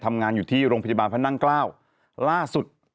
ไม่มีนะครับ